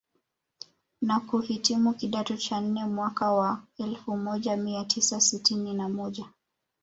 Na kuhitimu kidato cha nne mwaka elfu moja mia tisa sitini na moja